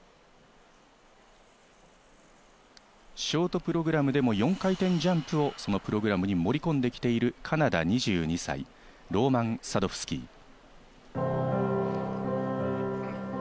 ショートプログラムでも４回転ジャンプをプログラムに盛り込んで来ているカナダの２２歳、ローマン・サドフスキー。